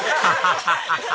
ハハハハ！